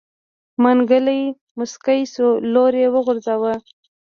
منګلی موسکی شو لور يې وغورځوه.